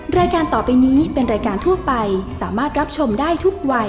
รายการต่อไปนี้เป็นรายการทั่วไปสามารถรับชมได้ทุกวัย